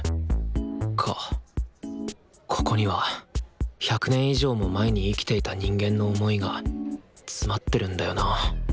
ここには１００年以上も前に生きていた人間の想いが詰まってるんだよなぁ。